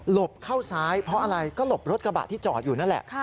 บเข้าซ้ายเพราะอะไรก็หลบรถกระบะที่จอดอยู่นั่นแหละ